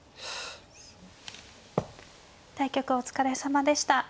対局お疲れさまでした。